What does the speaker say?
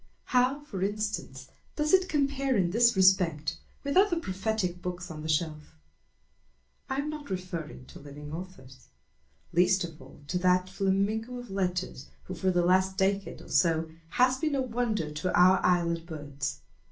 How, for instance, does it compare in this respect with other prophetic books on the shelf?_ _I am not referring to living authors; least of all to that flamingo of letters who for the last decade or so has been a wonder to our island birds.